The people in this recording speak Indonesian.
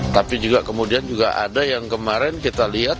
tapi juga kemudian juga ada yang kemarin kita lihat